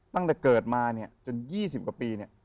ตั้งแต่เกิดมาจน๒๐กว่าปี